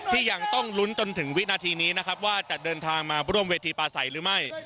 ยังต้องลุ้นจนถึงวินาทีนี้นะครับว่าจะเดินทางมาร่วมเวทีปลาใสหรือไม่